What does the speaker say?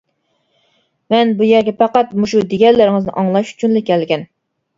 مەن بۇ يەرگە پەقەت مۇشۇ دېگەنلىرىڭىزنى ئاڭلاش ئۈچۈنلا كەلگەن.